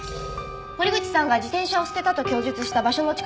堀口さんが自転車を捨てたと供述した場所の近くです。